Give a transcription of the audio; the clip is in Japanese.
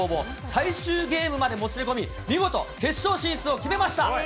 最終ゲームまでもつれ込み、見事、決勝進出を決めました。